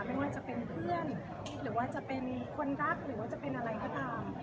ไม่ว่าจะเป็นเพื่อนหรือว่าจะเป็นคนรักหรือว่าจะเป็นอะไรก็ตาม